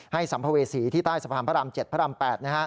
ให้สัมภเวศีที่ใต้สะพรรม๗สภรรม๘นะครับ